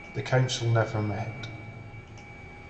The Council never met.